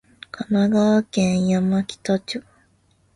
神奈川県山北町